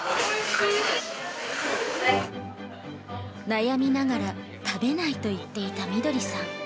悩みながら、食べないと言っていた翠さん。